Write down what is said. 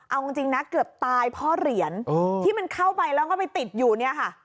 เอาจริงนะเกือบตายพ่อเหรียญที่มันเข้าไปแล้วก็ไปติดอยู่เนี่ยค่ะ